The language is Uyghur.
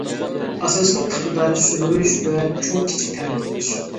ئاساسلىق ئىقتىدارى سۈمۈرۈش ۋە چوڭ كىچىك تەرەت قىلىش.